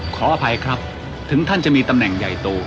ขออภัยครับถึงท่านจะมีตำแหน่งใหญ่โต